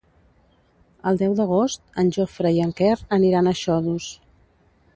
El deu d'agost en Jofre i en Quer aniran a Xodos.